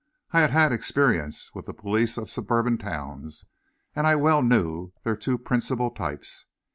I had had experience with the police of suburban towns, and I well knew their two principal types.